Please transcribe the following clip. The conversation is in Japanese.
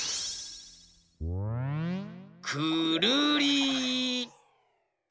くるり！